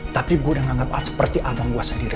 tapi gue udah menganggap seperti abang gue sendiri